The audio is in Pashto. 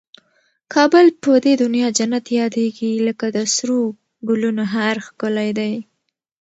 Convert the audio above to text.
کابل په دي دونیا جنت یادېږي لکه د سرو ګلنو هار ښکلی دی